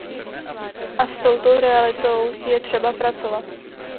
A s touto realitou je třeba pracovat.